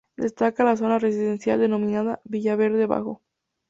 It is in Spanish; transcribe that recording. Destaca la zona residencial denominada Villaverde Bajo.